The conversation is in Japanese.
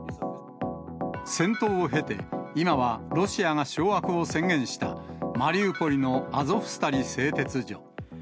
戦闘を経て、今はロシアが掌握を宣言したマリウポリのアゾフスタリ製鉄所。